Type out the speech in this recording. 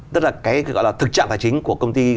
tức là cái gọi là thực trạng tài chính của công ty